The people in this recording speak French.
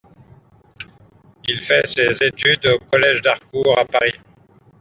Il fait ses études au collège d'Harcourt à Paris.